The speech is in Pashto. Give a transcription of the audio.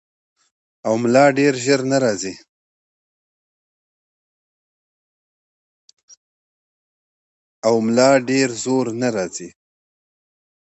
او ملا ډېر زور نۀ راځي -